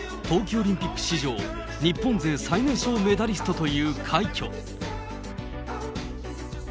冬季オリンピック史上、日本勢最年少メダリストという快挙。